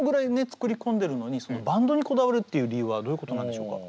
作り込んでるのにバンドにこだわるっていう理由はどういうことなんでしょうか？